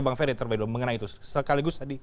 bang fede terbaik dulu mengenai itu sekaligus